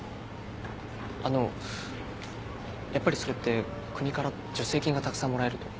あのやっぱりそれって国から助成金がたくさんもらえるとか？